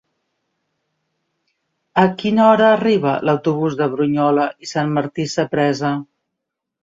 A quina hora arriba l'autobús de Brunyola i Sant Martí Sapresa?